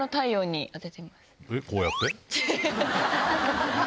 こうやって？